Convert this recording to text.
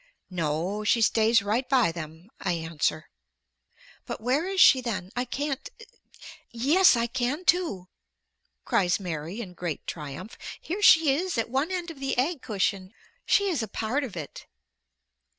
"No, she stays right by them," I answer. "But where is she then? I can't Yes I can too," cries Mary in great triumph. "Here she is at one end of the egg cushion. She is a part of it."